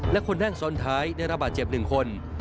และคนแน่งส้นท้ายได้รับบาดเจ็บหนึ่งคน